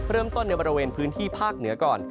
เริ่มต้นในบริเวณพื้นที่ภาคเหนือก่อน